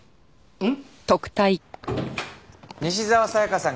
うん。